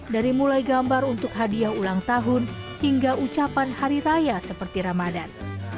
dari mulai gambar untuk hadiah ulang tahun hingga ucapan hari raya seperti ramadan